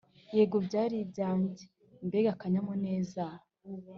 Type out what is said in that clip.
yego, byari ibyanjye. mbega akanyamuneza!